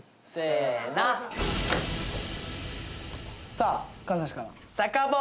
さあ金指から。